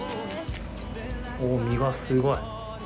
おぉ、身がすごい！